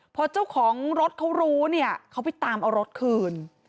พอเจ้าของรถเขารู้เนี่ยเขาไปตามเอารถคืน